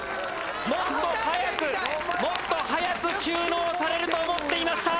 もっと早くもっと早く収納されると思っていました。